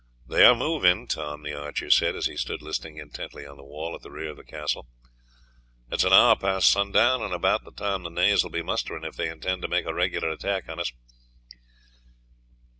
"They are moving," Tom the archer said as he stood listening intently on the wall at the rear of the castle. "It is an hour past sundown, and about the time the knaves will be mustering if they intend to make a regular attack on us.